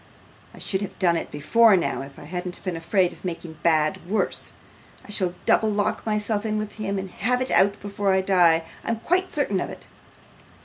I should have done it before now, if I hadn't been afraid of making bad worse. I shall double lock myself in with him and have it out before I die, I'm quite certain of it.